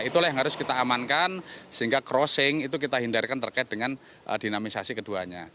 itulah yang harus kita amankan sehingga crossing itu kita hindarkan terkait dengan dinamisasi keduanya